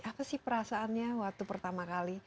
apa sih perasaannya waktu pertama kali